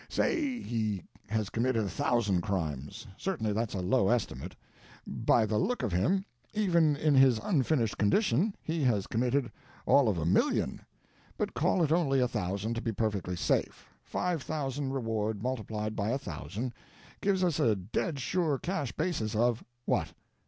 Say he has committed a thousand crimes. Certainly that's a low estimate. By the look of him, even in his unfinished condition, he has committed all of a million. But call it only a thousand to be perfectly safe; five thousand reward, multiplied by a thousand, gives us a dead sure cash basis of—what?